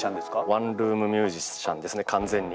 ワンルーム・ミュージシャンですね完全に。